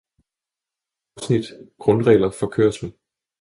afsnit: Grundregler for kørsel